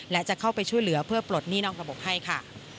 และจะเข้าไปช่วยเหลือเพื่อปลดหนี้นอกระบบให้ค่ะ